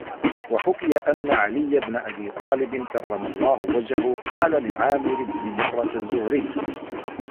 وَحُكِيَ أَنَّ عَلِيَّ بْنَ أَبِي طَالِبٍ كَرَّمَ اللَّهُ وَجْهَهُ قَالَ لِعَامِرِ بْنِ مُرَّةَ الزُّهْرِيِّ